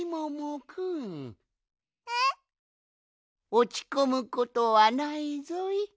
おちこむことはないぞい。